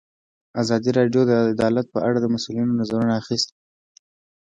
ازادي راډیو د عدالت په اړه د مسؤلینو نظرونه اخیستي.